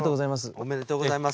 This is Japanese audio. おめでとうございます。